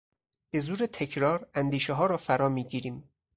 به زور تکرار اندیشهها را فرا میگیریم.